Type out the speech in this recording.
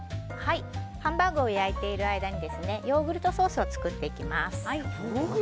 ハンバーグを焼いている間にヨーグルトソースを作っていきます。